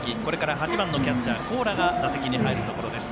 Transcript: ８番のキャッチャー高良が打席に入りました。